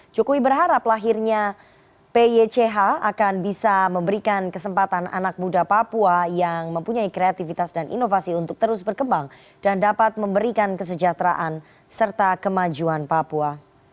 jokowi berharap lahirnya pych akan bisa memberikan kesempatan anak muda papua yang mempunyai kreativitas dan inovasi untuk terus berkembang dan dapat memberikan kesejahteraan serta kemajuan papua